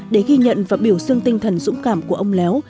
để ghi nhận và biểu dương tinh thần dũng cảm của ông léo